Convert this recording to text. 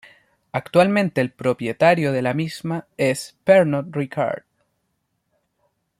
Actualmente el propietario de la misma es Pernod Ricard.